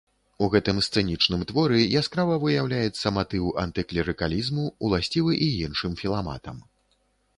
У гэтым сцэнічным творы яскрава выяўляецца матыў антыклерыкалізму, уласцівы і іншым філаматам.